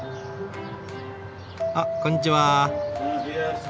あっこんにちは。